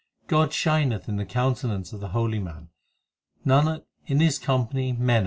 God shineth in the countenance of the holy man ; l Nanak, in his company men are saved.